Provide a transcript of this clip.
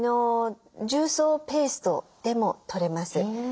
重曹ペーストでも取れます。